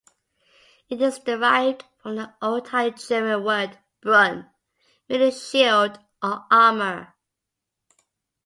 It is derived from the Old High German word "brun" meaning "Shield" or "Armor".